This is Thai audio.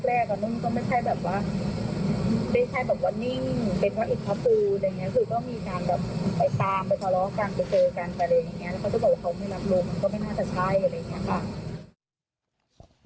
แล้วเขาจะบอกว่าเขาไม่รับรู้มันก็ไม่น่าจะใช่อะไรอย่างนี้ค่ะ